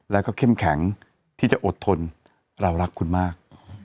แล้วก็เข้มแข็งที่จะอดทนเรารักคุณมาก